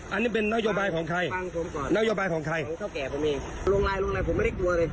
อันนี้เป็นนโยบายของใครนโยบายของใครเท่าแก่ผมเองลงไลน์ลงในผมไม่ได้กลัวเลย